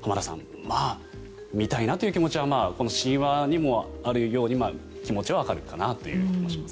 浜田さん見たいなという気持ちはこの神話にもあるように気持ちはわかるかなという気もしますが。